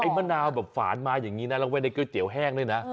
ไอ้มะนาวแบบฝาดมาอย่างนี้นะแล้วไว้ในเก้าเตี๋ยวแห้งด้วยนะ